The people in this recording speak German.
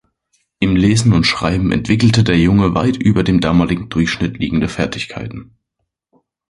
Im Lesen und Schreiben entwickelte der Junge weit über dem damaligen Durchschnitt liegende Fertigkeiten.